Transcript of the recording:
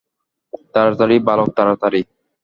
তাড়াতাড়ি, বালক, তাড়াতাড়ি।